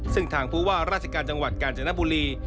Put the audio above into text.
ซึ่งทางผู้ว่าราชการจังหวัดกาญจนบุรี